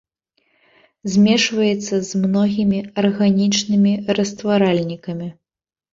Змешваецца з многімі арганічнымі растваральнікамі.